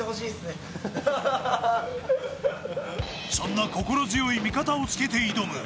そんな心強い味方をつけて挑む